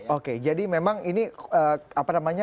oke jadi memang ini apa namanya